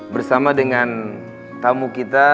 bersama dengan tamu kita